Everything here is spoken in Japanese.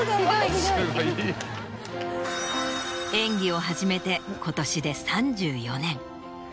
演技を始めて今年で３４年。